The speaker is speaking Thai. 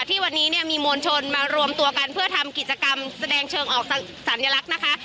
ที่วันนี้เนี่ยมีมวลชนมารวมตัวกันเพื่อทำกิจกรรมแสดงเชิงออกสัญลักษณ์นะคะ